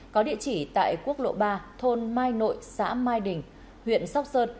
có địa chỉ tại quốc lộ ba thôn mai nội xã mai đình huyện sóc sơn